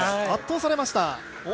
圧倒されました。